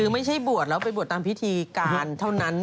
ไม่ใช่บวชแล้วนึงไปบวชตามพิธีการ